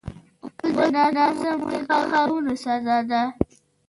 غول د ناسمو انتخابونو سزا ده.